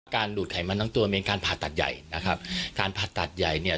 ดูดไขมันทั้งตัวเป็นการผ่าตัดใหญ่นะครับการผ่าตัดใหญ่เนี่ย